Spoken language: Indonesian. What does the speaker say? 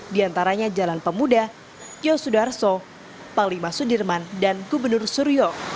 diantaranya jalan pemuda yosudarso panglima sudirman dan gubernur suryo